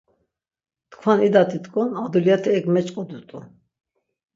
Tkvan idat̆it̆k̆on a dulyati ek meç̆k̆odurt̆u.